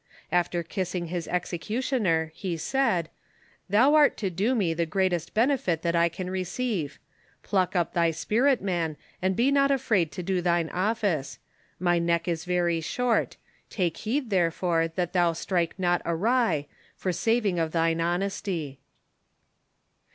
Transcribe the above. After kissing his ex ecutioner, he said, "Thou art to do me the greatest benefit that I can receive ; pluck up thy spirit, man, and be not afraid to do thine office. My neck is very short ; take heed, therefore, that thou strike not awry, for saving of thine honesty."